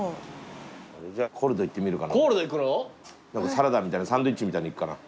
サラダみたいなサンドイッチみたいのいくかな。